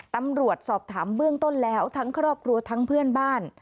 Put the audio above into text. ตำรวจสอบถามเบื้องต้นแล้วทั้งครอบครัวทั้งเพื่อนบ้าน